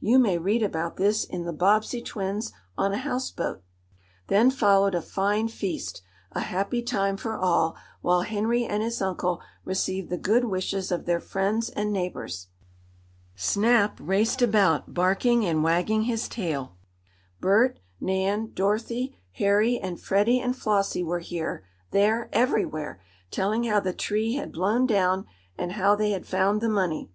You may read about this in "The Bobbsey Twins on a Houseboat." Then followed a fine feast a happy time for all, while Henry and his uncle received the good wishes of their friends and neighbors. Snap raced about, barking and wagging his tail. Bert, Nan, Dorothy, Harry and Freddie and Flossie were here, there, everywhere, telling how the tree had blown down, and how they had found the money.